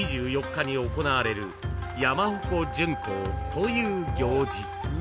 ［という行事］